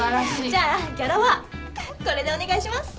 じゃあギャラはこれでお願いします。